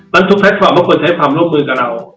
เป็นทุกแพลตฟอร์มก็ควรใช้ความร่วมร่วมกันเรา